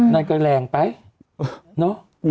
น่าจะแรงไปเนอะ